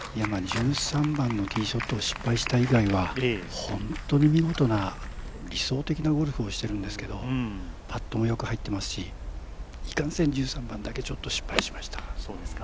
１３番のティーショットを失敗した以外は本当に見事な理想的なゴルフをしてるんですけどもパットもよく入ってますし、いかんせん１３番だけは失敗しました。